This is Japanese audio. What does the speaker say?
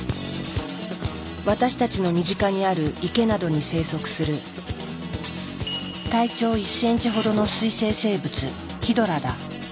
私たちの身近にある池などに生息する体長１ｃｍほどの水生生物「ヒドラ」だ。